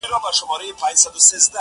نه چي اختر نمانځلی نه چي پسرلی نمانځلی~